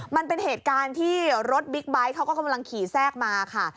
มันเป็นเหตุการณ์ที่รถบิ๊กไบท์เขาก็กำลังขี่แทรกมาค่ะ